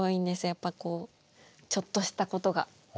やっぱこうちょっとしたことが。